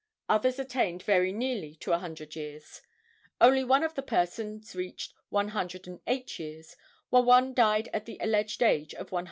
Others attained very nearly to the hundred years. Only one of the persons reached 108 years, while one died at the alleged age of 106.